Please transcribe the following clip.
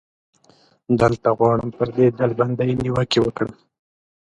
دلته غواړم پر دې ډلبندۍ نیوکې وکړم.